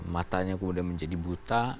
matanya kemudian menjadi buta